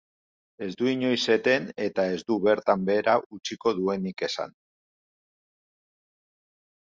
Ez du inoiz eten eta ez du bertan behera utziko duenik esan.